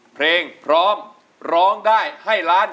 เพลงพร้อมร้องได้ให้ล้าน